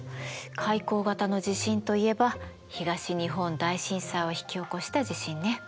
海溝型の地震といえば東日本大震災を引き起こした地震ね。